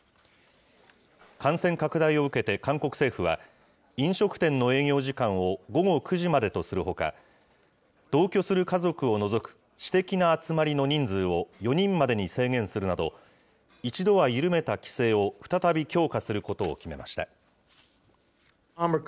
感染拡大を受けて韓国政府は、飲食店の営業時間を午後９時までとするほか、同居する家族を除く私的な集まりの人数を４人までに制限するなど、一度は緩めた規制を再び強化することを決めました。